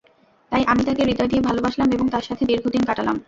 তাই আমি তাকে হৃদয় দিয়ে ভালবাসলাম এবং তার সাথে দীর্ঘদিন কাটালাম।